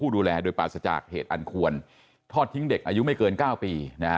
ดูแลโดยปราศจากเหตุอันควรทอดทิ้งเด็กอายุไม่เกิน๙ปี